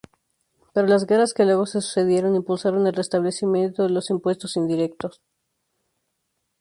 Pero las guerras que luego se sucedieron, impulsaron el restablecimiento de los impuestos indirectos.